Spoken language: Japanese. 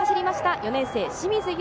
４年生・清水悠